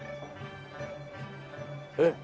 えっ？